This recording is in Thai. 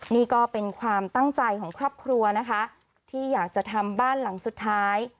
นี่ก็เป็นความตั้งใจของครอบครัวนะคะที่อยากจะทำบ้านหลังสุดท้าย